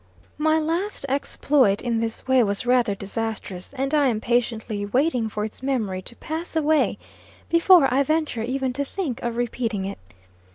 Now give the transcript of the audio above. My last exploit in this way was rather disastrous; and I am patiently waiting for its memory to pass away, before I venture even to think of repeating it.